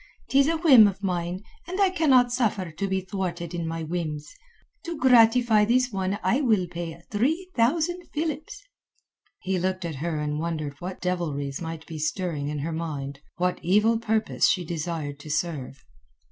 'Tis a whim of mine, and I cannot suffer to be thwarted in my whims. To gratify this one I will pay three thousand philips." He looked at her and wondered what devilries might be stirring in her mind, what evil purpose she desired to serve.